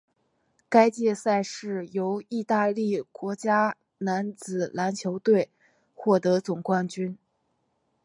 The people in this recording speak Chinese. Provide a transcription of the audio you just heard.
该届赛事由义大利国家男子篮球队获得总冠军。